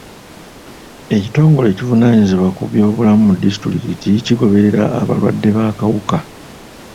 Ekitongole ekivunaanyizibwa ku by'obulamu mu disitulikiti kigoberera abalwadde b'akawuka.